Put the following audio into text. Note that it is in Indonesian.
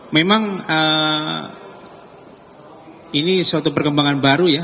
memang ini suatu perkembangan baru ya